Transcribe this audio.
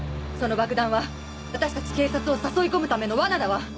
その爆弾は私達警察を誘い込むための罠だわ！